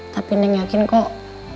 tapi neng yakin kok